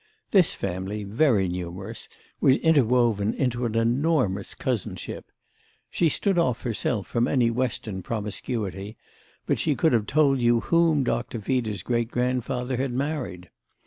This family, very numerous, was interwoven into an enormous cousinship. She stood off herself from any Western promiscuity, but she could have told you whom Doctor Feeder's great grandfather had married.